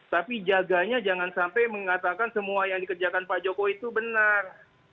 tapi jaganya jangan sampai mengatakan semua yang dikerjakan pak jokowi itu benar